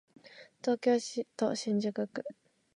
東京都新宿区